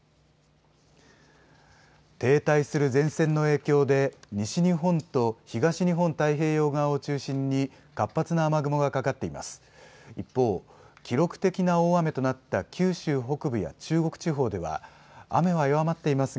停滞する前線の影響で西日本と東日本太平洋側を中心に活発な雨雲がかかっています。